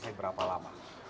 paling cepat tiga hari pak